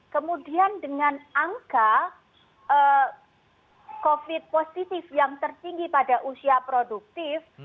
kemudian dengan angka covid positif yang tertinggi pada usia produktif